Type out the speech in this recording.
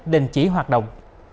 đình chỉ hoạt động